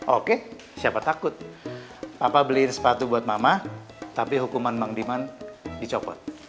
oke siapa takut papa beliin sepatu buat mama tapi hukuman bang diman dicopot